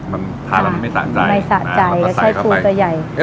มันทาแล้วไม่สะใจไม่สะใจแล้วก็ใส่เข้าไปมันจะใส่ปูตัวใหญ่